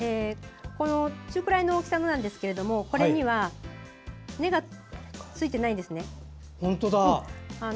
中くらいの大きさのものですがこれには根がついていないんですね。